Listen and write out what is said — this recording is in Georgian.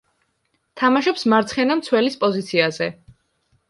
თამაშობს მარცხენა მცველის პოზიციაზე.